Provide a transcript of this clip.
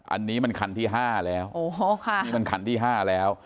อันนี้มันคันที่ห้าแล้วอันนี้มันคันที่ห้าแล้ว